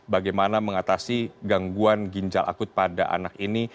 bagaimana mengatasi gangguan ginjal akut pada anak ini